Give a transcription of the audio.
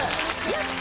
やった！